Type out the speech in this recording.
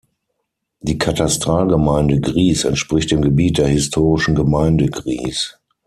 Die Katastralgemeinde Gries entspricht dem Gebiet der historischen Gemeinde Gries.